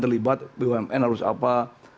terlibat bumn harus apa